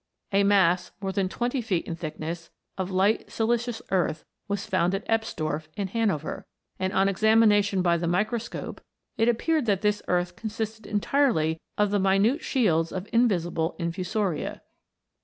A mass, more than twenty feet in thickness, of light silicious earth, was found at Ebsdorf, in Hanover, and, on examination by the microscope, it appeared that this earth consisted entirely of the minute shields of invisible infusoria.